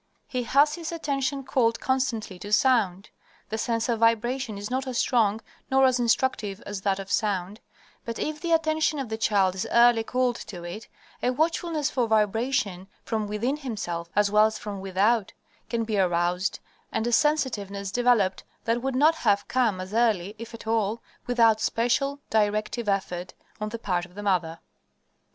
He has his attention called constantly to sound. The sense of vibration is not as strong nor as instructive as that of sound, but if the attention of the child is early called to it, a watchfulness for vibration from within himself as well as from without, can be aroused, and a sensitiveness developed that would not have come as early, if at all, without special, directive effort on the part of the mother.